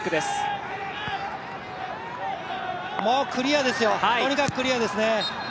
クリアですよ、とにかくクリアですね。